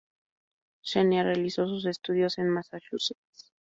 Xenia realizó sus estudios en Massachusetts.